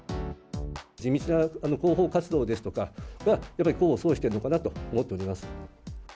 地道な広報活動ですとか、やっぱり功を奏してるのかなと思っております。